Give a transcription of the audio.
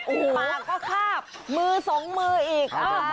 ปากก็คาบมือสองมืออีก